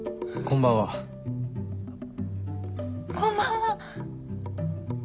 こんばんは。